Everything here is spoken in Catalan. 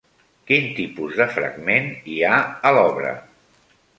Quin tipus de fragment hi ha a l'obra?